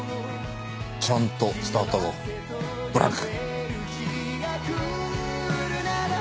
ちゃんと伝わったぞブランク！